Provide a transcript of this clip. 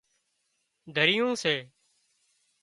دريون سي